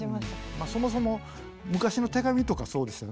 そもそも昔の手紙とかそうですよね。